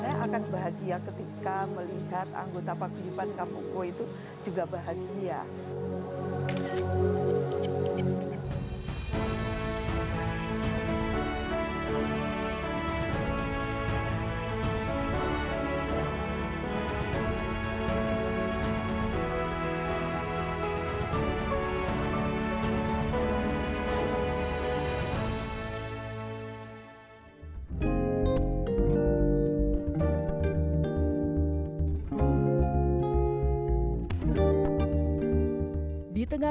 saya akan bahagia ketika melihat anggota pabrikan kampungku itu juga bahagia